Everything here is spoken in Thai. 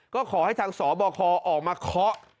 ก็ขอให้ทางสบคออกมาเคาะ